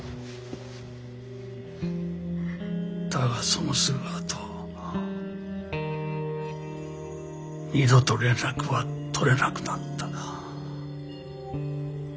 だがそのすぐあと二度と連絡は取れなくなった。